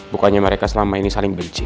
bukannya mereka selama ini saling benci